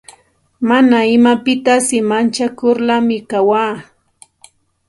Mana imapitasi manchakularmi kawaa.